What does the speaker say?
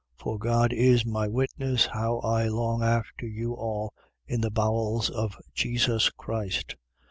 1:8. For God is my witness how I long after you all in the bowels of Jesus Christ.